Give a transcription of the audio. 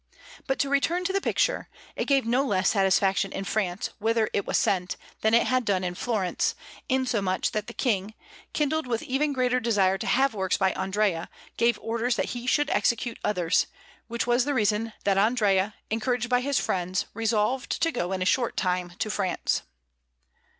But to return to the picture: it gave no less satisfaction in France, whither it was sent, than it had done in Florence, insomuch that the King, kindled with even greater desire to have works by Andrea, gave orders that he should execute others; which was the reason that Andrea, encouraged by his friends, resolved to go in a short time to France.